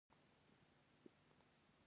داراییو مختلف لارو ماليې کېږي.